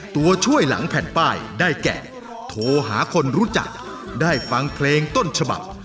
ตัวช่วยหลังแผ่นป้ายได้แก่โทรหาคนรู้จักได้ฟังเพลงต้นฉบับ